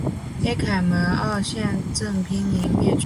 黑凯门鳄现正濒临绝种。